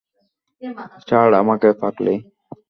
ছাড় আমাকে পাগলি।